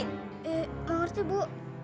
eh nggak ngerti bu